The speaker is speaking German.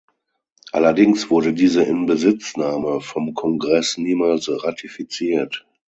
Allerdings wurde diese Inbesitznahme vom Kongress niemals ratifiziert.